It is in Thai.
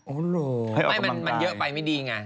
โอ้ละไม่มันเยอะไปไม่ดีไงให้ออกกำลังกาย